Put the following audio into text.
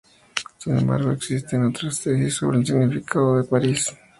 Sin embargo, existen otras tesis sobre el significado de París.